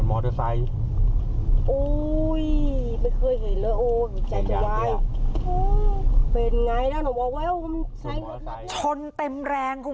โอ้ยโน๊ตใหม่